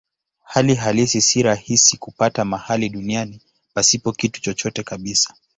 Hali halisi si rahisi kupata mahali duniani pasipo kitu chochote kabisa.